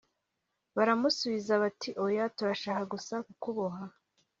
baramusubiza bati oya, turashaka gusa kukuboha